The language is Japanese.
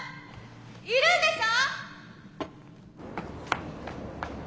いるんでしょ？」。